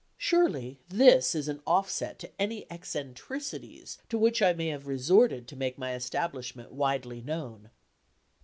Surely this is an offset to any eccentricities to which I may have resorted to make my establishment widely known.